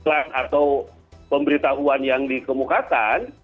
atau pemberitahuan yang dikemukatan